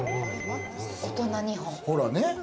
大人２本。